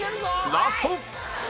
ラスト！